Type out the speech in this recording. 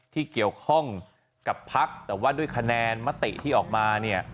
ที่เกี่ยวข้องกับพักแต่ว่าด้วยคะแนนมติที่ออกมาเนี่ย